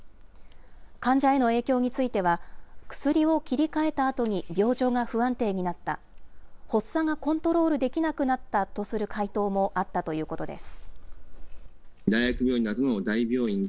患者への影響については、薬を切り替えたあとに病状が不安定になった、発作がコントロールできなくなったとする回答もあったということです。